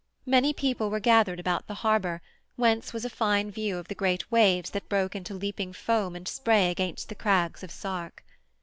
Many people were gathered about the harbour, whence was a fine view of the great waves that broke into leaping foam and spray against the crags of Sark.